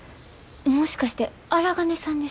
もしかして荒金さんですか？